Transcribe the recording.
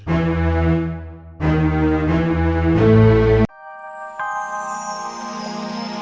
ketiga abang alah